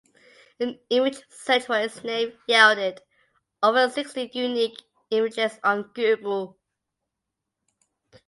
An image search for his name yielded over sixty unique images on Google.